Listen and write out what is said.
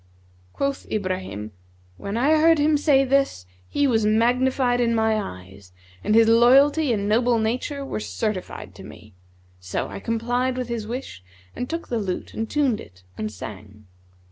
(Quoth Ibrahim), When I heard him say this, he was magnified in my eyes and his loyalty and noble nature were certified to me; so I complied with his wish and took the lute and tuned it, and sang.